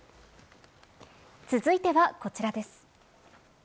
続いてはこちらです。